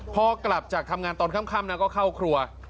พอกลับจากทำงานตอนค่ำนะก็เข้าครัว